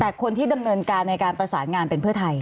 แต่คนที่ดำเนินการในการประสานงานเป็นเพื่อไทย